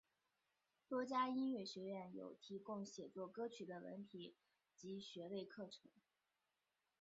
多家音乐学院有提供写作歌曲的文凭及学位课程。